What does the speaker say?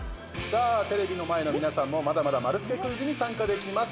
テレビの前の皆さんもまだまだ丸つけクイズに参加できます。